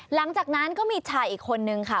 หลังจากนั้นก็มีชายอีกคนนึงค่ะ